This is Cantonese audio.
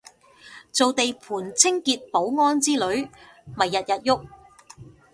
做地盤清潔保安之類咪日日郁